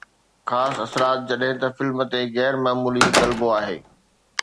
خاص اثرات جڏهن ته فلم تي غير معمولي غلبو آهي